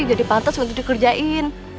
udah dipantes waktu dikerjain